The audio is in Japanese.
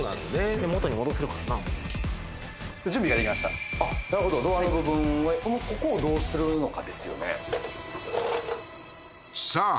でも元に戻せるからな準備ができましたなるほどドアの部分はここをどうするのかですよねさあ